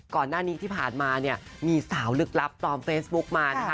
ก่อนหน้านี้ที่ผ่านมาเนี่ยมีสาวลึกลับปลอมเฟซบุ๊กมานะคะ